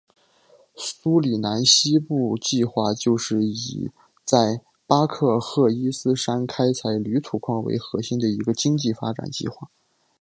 苏里南西部计划就是以在巴克赫伊斯山开采铝土矿为核心的一个经济发展计划。